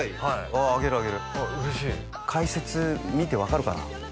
あああげるあげる嬉しい解説見て分かるかな？